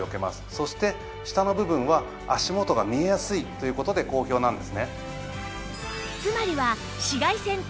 そして下の部分は足元が見えやすいという事で好評なんですね。